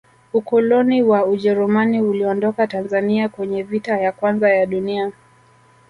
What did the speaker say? ukoloni wa ujerumani uliondoka tanzania kwenye vita ya kwanza ya dunia